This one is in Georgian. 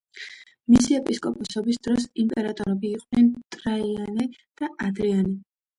მისი ეპისკოპოსობის დროს იმპერატორები იყვნენ ტრაიანე და ადრიანე.